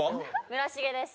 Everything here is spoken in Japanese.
村重です。